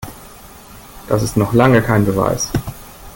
Das ist noch lange kein Beweis.